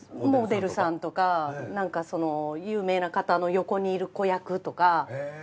モデルさんとかなんか有名な方の横にいる子役とか。